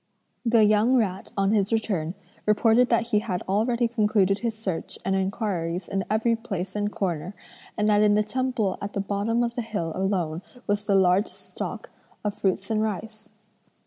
The young rat on his return reported that he had already concluded his search and inquiries in every place and corner, and that in the temple at the bottom of the hill alone was the largest stock of fruits and rice.